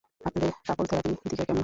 আপনাদের couple therapy দিকে কেমন হয়?